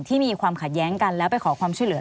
มีความขัดแย้งกันแล้วไปขอความช่วยเหลือ